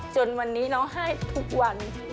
สวัสดีค่ะ